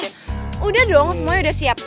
udah dong semuanya udah siap